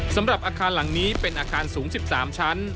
สำหรับอาคารหลังนี้เป็นอาคารสูง๑๓ชั้น